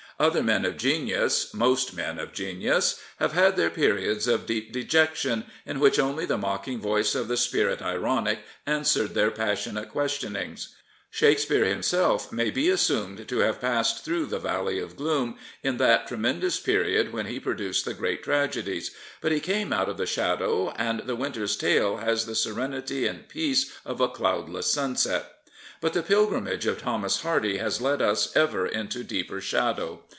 Other men of genius, most men of genius, have had their periods of deep de jection in which only the mocking voice of the Spirit Ironic answered their passionate questionings. Shake speare himself may be assumed to have passed through the valley of gloom in that tremendous period when he produced the great tragedies; but he came out of the shadow, and The W interns Tale has the serenity and peace of a cloudless sunset. But the pilgrimage of Thomas Hardy has led us ever into deeper shadow.